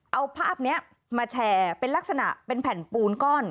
เอาภาพนี้มาแชร์เป็นลักษณะเป็นแผ่นปูนก้อน